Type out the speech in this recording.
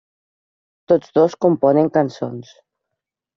Tots dos componen cançons.